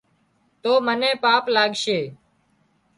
تو منين پاپ لاڳشي